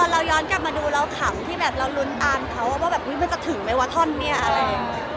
เราขำที่เรารุนตามเขาว่ามันจะถึงไหมวะท่อนเนี่ยอะไร